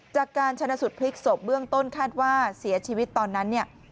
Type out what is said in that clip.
จากการชนะสุดพลิกศพเบื้องต้นคาดว่าเสียชีวิตตอนนั้นเนี่ย